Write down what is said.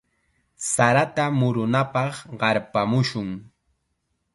Sarata murunapaq qarpamushun.